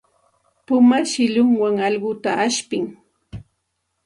Puma shillunwan allquta ashpin.